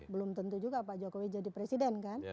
belum tentu juga pak jokowi jadi presiden kan